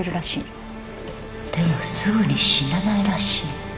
でもすぐに死なないらしい